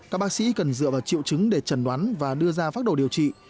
các bác sĩ cần dựa vào triệu chứng để trần đoán và đưa ra phát đồ điều trị